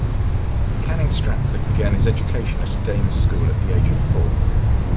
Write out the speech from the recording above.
Canning Stratford began his education at a Dame's school at the age of four.